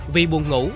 vì buồn ngủ